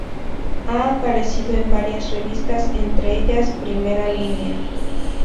Ha aparecido en varias revistas, entre ellas Primera Línea.